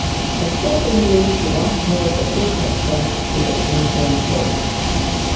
Accordingly she once more betook herself to the quintain post.